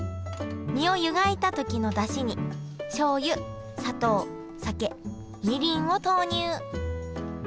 身を湯がいた時のだしにしょうゆ砂糖酒みりんを投入。